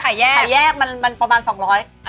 ขายแยกมันประมาณสองร้อย